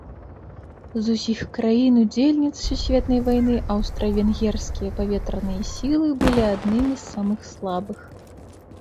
З усіх краін-удзельніц сусветнай вайны аўстра-венгерскія паветраныя сілы былі аднымі з самых слабых.